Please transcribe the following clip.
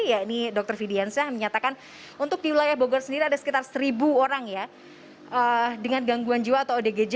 ya ini dr fidiansyah menyatakan untuk di wilayah bogor sendiri ada sekitar seribu orang ya dengan gangguan jiwa atau odgj